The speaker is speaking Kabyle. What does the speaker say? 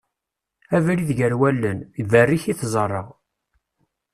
Abrid gar wallen, berrik i t-ẓerreɣ.